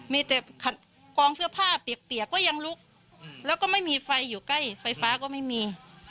มีแต่กองเสื้อผ้าเปียกก็ยังลุกแล้วก็ไม่มีไฟอยู่ใกล้ไฟฟ้าก็ไม่มี